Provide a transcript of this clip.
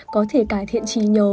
có thể cải thiện trí nhớ